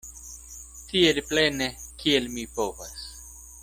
Tiel plene kiel mi povas.